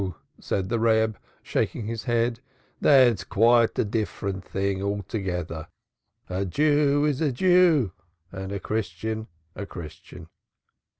said the Reb, shaking his head. "That's a different thing altogether; a Jew is a Jew, and a Christian a Christian."